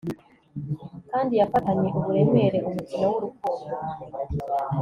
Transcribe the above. Kandi yafatanye uburemere umukino wurukundo